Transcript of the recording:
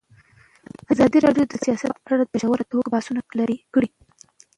ازادي راډیو د سیاست په اړه په ژوره توګه بحثونه کړي.